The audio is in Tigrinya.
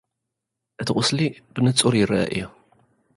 እቲ ቚስሊ፡ ብንጹር ይርኤ እዩ።